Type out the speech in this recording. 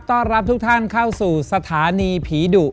ต้อนรับทุกท่านเข้าสู่สถานีผีดุ